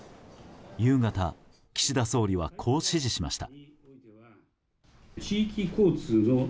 夕方、岸田総理はこう指示しました。